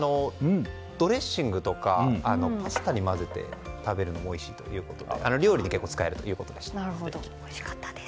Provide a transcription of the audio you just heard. ドレッシングとかパスタに混ぜて食べるのもおいしいということで料理に結構おいしかったです。